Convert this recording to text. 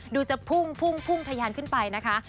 ดูจะพุ่งพุ่งทะยานขึ้นไปนะคะ